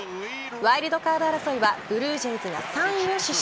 ワイルドカード争いはブルージェイズが３位を死守。